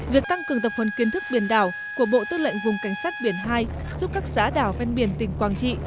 việc tăng cường tập huấn kiến thức biển đảo của bộ tư lệnh vùng cảnh sát biển hai giúp các xã đảo ven biển tỉnh quảng trị